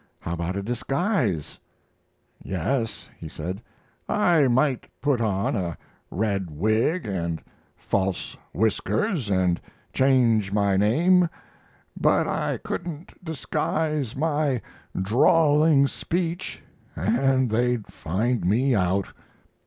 "How about a disguise?" "Yes," he said, "I might put on a red wig and false whiskers and change my name, but I couldn't disguise my drawling speech and they'd find me out."